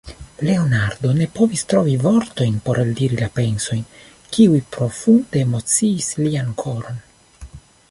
Leonardo ne povis trovi vortojn por eldiri la pensojn, kiuj profunde emociis lian koron.